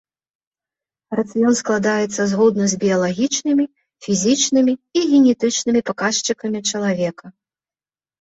Рацыён складаецца згодна з біялагічнымі, фізічнымі і генетычнымі паказчыкамі чалавека.